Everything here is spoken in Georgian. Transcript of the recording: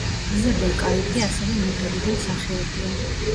იზაბელ კაიფი ასევე მოდელი და მსახიობია.